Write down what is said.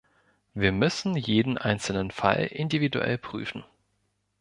Wir müssen jeden einzelnen Fall individuell prüfen.